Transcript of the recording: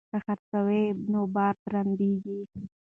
که څرخ وي نو بار نه درندیږي.